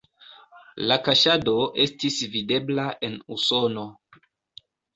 La kaŝado estis videbla en Usono.